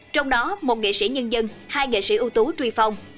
trong đó một nghệ sĩ nhân dân hai nghệ sĩ ưu tú truy phong